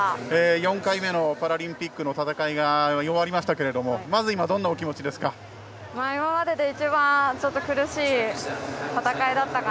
４回目のパラリンピックの戦いが終わりましたが、まず今どんなお気持ちですか？